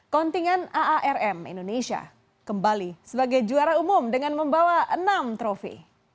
kontingen aarm indonesia kembali sebagai juara umum dengan membawa enam trofi